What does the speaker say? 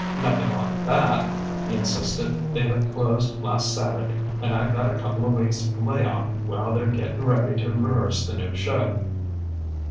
"Nothin' like that!" he insisted. "The Hip closed last Sat'dy and I got a coupla weeks lay off while they're gettin' ready to rehearse the new show.